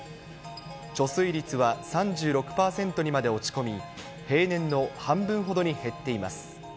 貯水率は３６％にまで落ち込み、平年の半分ほどに減っています。